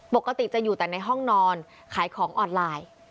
ปกติจะอยู่แต่ในห้องนอนขายของออนไลน์